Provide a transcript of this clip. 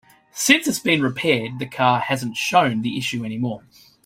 Since it's been repaired, the car hasn't shown the issue any more.